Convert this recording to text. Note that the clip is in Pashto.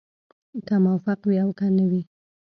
که موفق وي او که نه وي.